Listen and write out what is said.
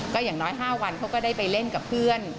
ก็อย่างน้อย๕วันเขาก็ได้ไปเล่นกับเพื่อน